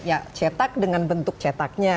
ya cetak dengan bentuk cetaknya